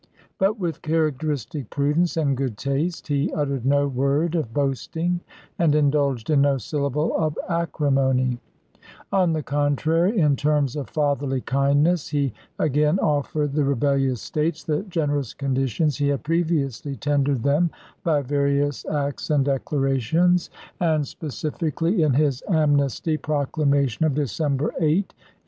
But with char acteristic prudence and good taste, he uttered no word of boasting and indulged in no syllable of acrimony ; on the contrary, in terms of fatherly kindness, he again offered the rebellious States the generous conditions he had previously tendered them by various acts and declarations, and specifi 91 92 ABKAHAM LINCOLN chap. v. cally in his amnesty proclamation of December 8, 1863.